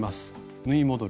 縫い戻る。